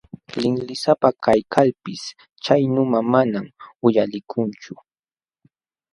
Linlisapa kaykalpis chay nuna manam uyalikunchu.